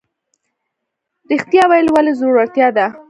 ریښتیا ویل ولې زړورتیا ده؟